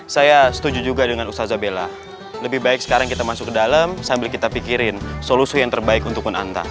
saya setuju juga dengan ustazabela lebih baik sekarang kita masuk ke dalam sambil kita pikirin solusi yang terbaik untuk men anta